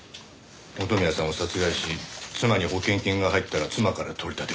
元宮さんを殺害し妻に保険金が入ったら妻から取り立てる。